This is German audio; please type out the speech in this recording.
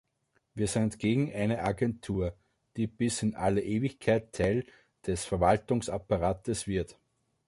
Wir sind gegen eine Agentur, die bis in alle Ewigkeit Teil des Verwaltungsapparates wird.